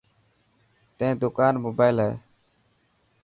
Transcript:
تين دڪان موبائل هي؟